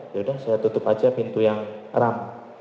ya udah saya tutup aja pintu yang ram